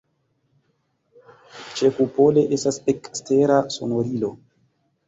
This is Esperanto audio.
Ĉekupole estas ekstera sonorilo.